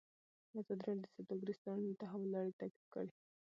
ازادي راډیو د سوداګریز تړونونه د تحول لړۍ تعقیب کړې.